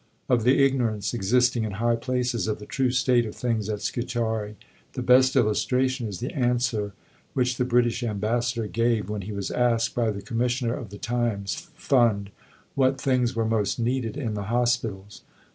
Of the ignorance existing in high places of the true state of things at Scutari, the best illustration is the answer which the British Ambassador gave when he was asked by the Commissioner of the Times Fund what things were most needed in the hospitals.